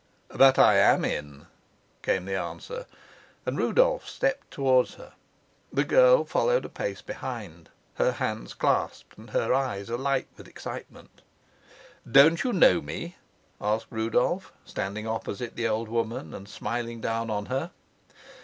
"But I am in," came the answer, and Rudolf stepped towards her. The girl followed a pace behind, her hands clasped and her eyes alight with excitement. "Don't you know me?" asked Rudolf, standing opposite the old woman and smiling down on her.